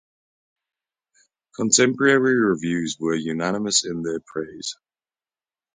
Contemporary reviews were unanimous in their praise.